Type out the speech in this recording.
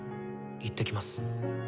行ってきます。